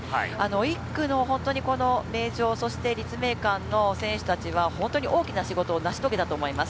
１区の名城、そして立命館の選手たちは本当に大きな仕事を成し遂げだと思います。